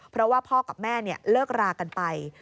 เพราะว่าพ่อกับแม่เลิกรากันไป